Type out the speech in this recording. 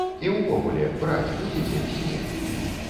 І увогуле, браць будзеце ці не?